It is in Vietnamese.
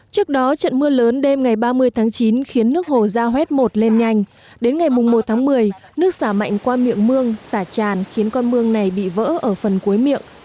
trước đó trận mưa lớn đêm ngày ba mươi tháng chín khiến nước hồ ra hết một lên nhanh đến ngày một tháng một mươi nước xả mạnh qua miệng mương xả tràn khiến con mương này bị vỡ ở phần cuối miệng